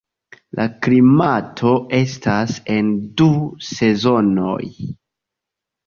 La klimato estas en du sezonoj.